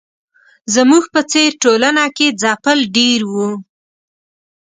زموږ په څېر ټولنه کې ځپل ډېر وو.